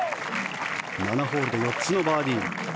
７ホールで４つのバーディー。